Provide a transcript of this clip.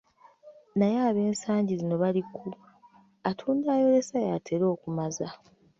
Naye ab'ensangi zino bali ku, "Atunda ayolesa yatera okumaza".